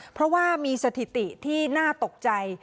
เพราะว่ามีสถิติที่น่าตกใจ